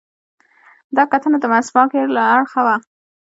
دا کتنه د منځپانګې له اړخه وه.